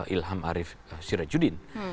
ilham arief syirajudin